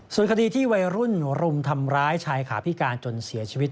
ส่วนคดีที่วัยรุ่นรุมทำร้ายชายขาพิการจนเสียชีวิต